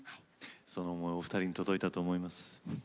その思いお二人に届いたと思います。